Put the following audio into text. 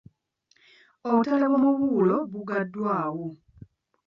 Obutale bw’omubuulo buggaddwa.